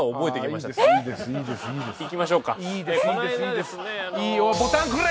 えっ？いきましょうか。